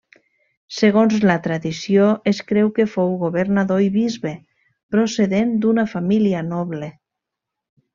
Segons la tradició, es creu que fou governador i bisbe, procedent d'una família noble.